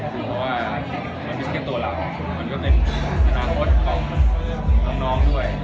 เพราะว่ามันไม่ใช่แค่ตัวเรามันก็เป็นอนาคตของน้องด้วย